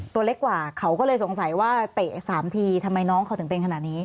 ตัวเล็กกว่าเขาก็เลยสงสัยว่าเตะ๓ทีทำไมน้องเขาถึงเป็นขนาดนี้